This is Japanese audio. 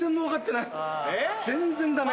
全然ダメ。